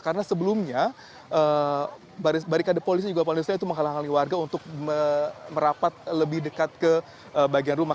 karena sebelumnya barikade polisi juga polisinya menghalangi warga untuk merapat lebih dekat ke bagian rumah